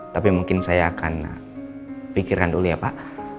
tapi mungkin saya akan pikirkan dulu ya pak